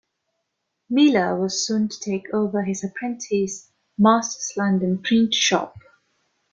Millar was soon to take over his apprentice master's London print shop.